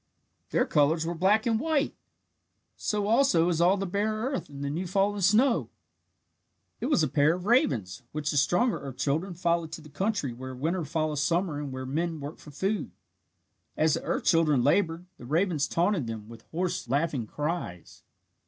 Their colours were black and white! So also is all the bare earth and the new fallen snow! It was a pair of ravens, which the stronger earth children followed to the country where winter follows summer and where men work for food. As the earth children laboured, the ravens taunted them with hoarse, laughing cries.